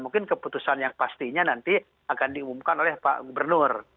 mungkin keputusan yang pastinya nanti akan diumumkan oleh pak gubernur